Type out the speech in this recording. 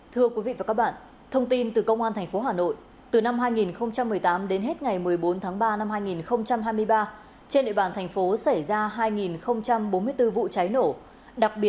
thưa quý vị và các bạn thông tin từ công an thành phố hà nội